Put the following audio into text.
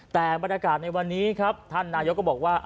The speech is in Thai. แต่บรรยากาศในวันนี้ครับท่านนายกก็บอกว่า